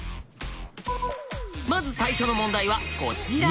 まず最初の問題はこちら。